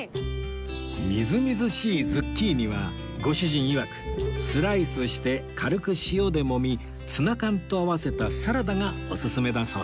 みずみずしいズッキーニはご主人いわくスライスして軽く塩でもみツナ缶と合わせたサラダがオススメだそうですよ